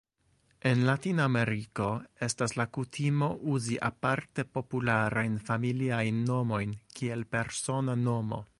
En Latinameriko estas la kutimo uzi aparte popularajn familiajn nomojn kiel persona nomo.